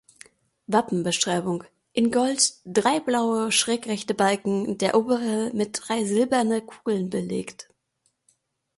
Wappenbeschreibung: In Gold drei blaue schrägrechte Balken, der obere mit drei silberne Kugeln belegt.